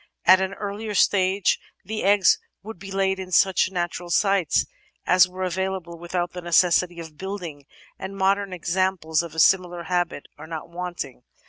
At an earlier stage the eggs would be laid in such natiu*al sites as were available with out the necessity of building, and modern examples of a similar habit are not wanting.